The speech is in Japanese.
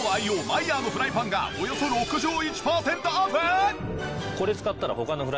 マイヤーのフライパンがおよそ６１パーセントオフ！？